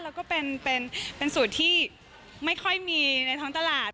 แล้วก็เป็นสูตรที่ไม่ค่อยมีในท้องตลาด